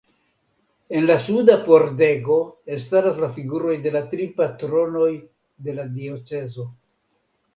En la suda pordego elstaras la figuroj de la tri patronoj de la diocezo.